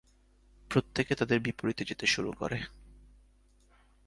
প্রত্যেকে তাদের বিপরীতে যেতে শুরু করে।